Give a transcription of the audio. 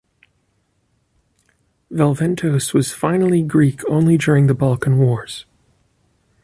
Velventos was finally Greek only during the Balkan Wars.